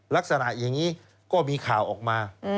ลักษณะอย่างนี้ก็มีข่าวออกมา